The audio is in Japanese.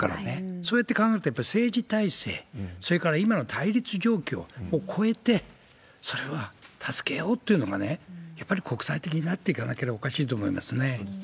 そうやって考えると、やっぱり政治体制、それから今の対立状況を超えて、それは助け合おうというのがね、やっぱり国際的になっていかなければおかしいと思いますね。